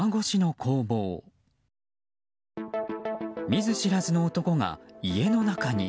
見ず知らずの男が家の中に。